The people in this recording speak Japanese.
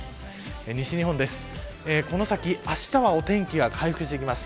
西日本です、この先あしたはお天気が回復してきます。